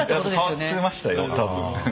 変わってましたよ多分。